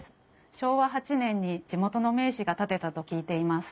昭和８年に地元の名士が建てたと聞いています。